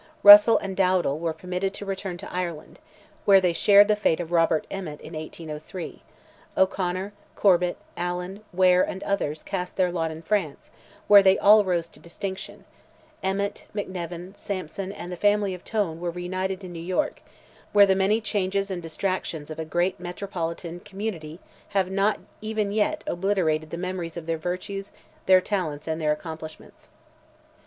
Russell and Dowdall were permitted to return to Ireland, where they shared the fate of Robert Emmet in 1803; O'Conor, Corbet, Allen, Ware, and others, cast their lot in France, where they all rose to distinction; Emmet, McNevin, Sampson, and the family of Tone were reunited in New York, where the many changes and distractions of a great metropolitan community have not even yet obliterated the memories of their virtues, their talents, and their accomplishments.